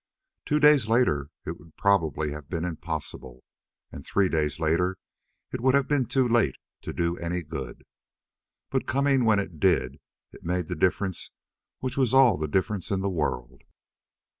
Two days later it would probably have been impossible, and three days later it would have been too late to do any good. But coming when it did, it made the difference which was all the difference in the world.